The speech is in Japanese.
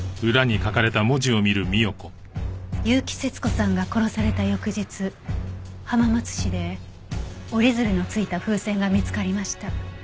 結城節子さんが殺された翌日浜松市で折り鶴のついた風船が見つかりました。